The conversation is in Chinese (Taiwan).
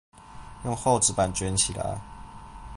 用厚紙板捲起來